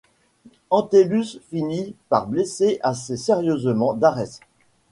Entellus finit par blesser assez sérieusement Darès.